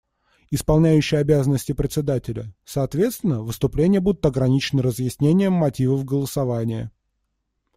Исполняющий обязанности Председателя: Соответственно, выступления будут ограничены разъяснением мотивов голосования.